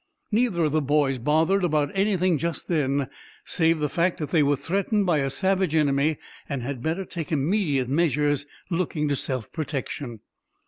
Neither of the boys bothered about anything just then save the fact that they were threatened by a savage enemy and had better take immediate measures looking to self protection.